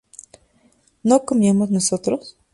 ¿no comíamos nosotros?